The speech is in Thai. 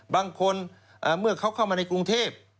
บางคนเมื่อเขาเข้ามาในกรุงเทพ